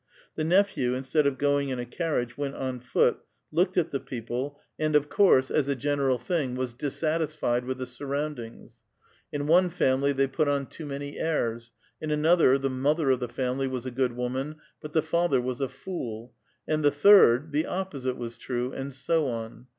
The nephew instead of going in a carriage went on foot, looked at the people, and of course, as A VITAL QUESTION. 97 a general thing, was dissatisfied with the snrronndings ; in ODe family they put on too many airs ; in another, tiie mother of the family was a good woman, but the fatlier was a fool {durak) ; and the third, the opposite was true ; and so on.